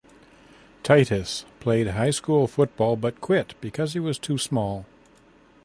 Titus played high school football but quit because he was too small.